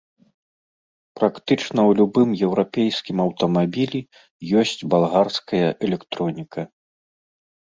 Практычна ў любым еўрапейскім аўтамабілі ёсць балгарская электроніка.